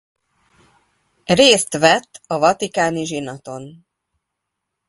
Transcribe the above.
Részt vett a vatikáni zsinaton.